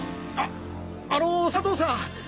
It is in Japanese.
ああの佐藤さん